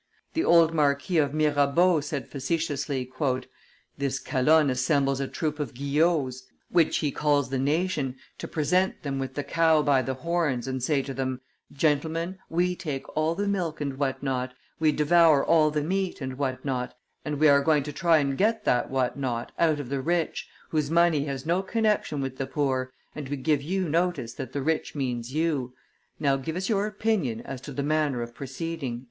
The old Marquis of Mirabeau said facetiously: "This Calonne assembles a troop of Guillots, which he calls the nation, to present them with the cow by the horns, and say to them, 'Gentlemen, we take all the milk and what not, we devour all the meat and what not, and we are going to try and get that what not out of the rich, whose money has no connection with the poor, and we give you notice that the rich means you. Now, give us your opinion as to the manner of proceeding.